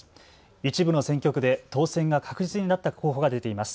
一部の選挙区で当選が確実になった候補が出ています。